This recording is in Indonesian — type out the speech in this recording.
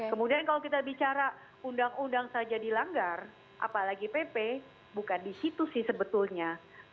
kemudian kalau kita bicara undang undang saja dilanggar apalagi pp bukan di situ sih sebetulnya